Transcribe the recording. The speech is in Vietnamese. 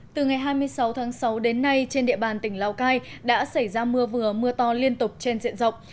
từ ngày hai mươi sáu tháng sáu đến nay trên địa bàn tỉnh lào cai đã xảy ra mưa vừa mưa to liên tục trên diện rộng